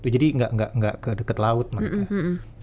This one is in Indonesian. jadi gak ke deket laut mereka